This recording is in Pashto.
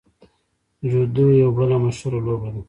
جودو یوه بله مشهوره لوبه ده.